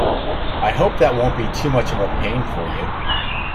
I hope that won't be too much of a pain for you?